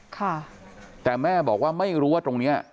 ค่ะแต่แม่บอกว่าไม่รู้ว่าตรงเนี้ย